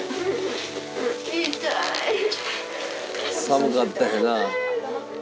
寒かったんやな。